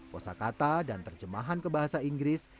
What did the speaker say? kosa kata dan terjemahan ke bahasa inggris